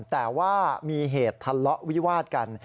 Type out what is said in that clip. แต่ว่ามีเหตุทะเลาะวิวาดกัน